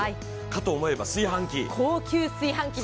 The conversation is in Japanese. かと思えばこの炊飯器。